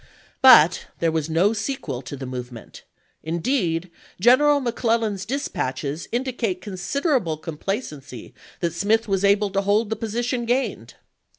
But there was no sequel to the movement ; indeed, General McClellan's dispatches indicate considerable complacency that Smith was able to hold the position gained.